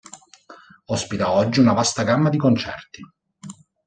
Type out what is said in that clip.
Ospita oggi una vasta gamma di concerti.